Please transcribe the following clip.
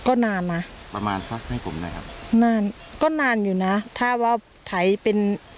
ก็นานนะประมาณสักให้ผมหน่อยครับนานก็นานอยู่นะถ้าว่าไถเป็น